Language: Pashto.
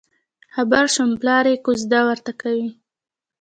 خبر شوم پلار یې کوزده ورته کوي.